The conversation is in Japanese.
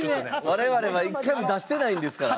我々は１回も出してないんですから。